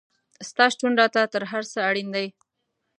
ستا شتون راته تر هر څه اړین دی